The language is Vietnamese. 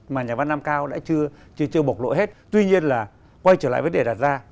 mà nhà văn nam cao đã chưa bộc lộ hết tuy nhiên là quay trở lại vấn đề đặt ra